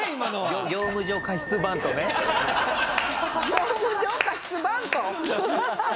業務上過失バント？